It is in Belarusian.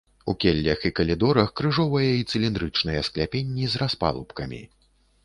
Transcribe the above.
У келлях і калідорах крыжовыя і цыліндрычныя скляпенні з распалубкамі.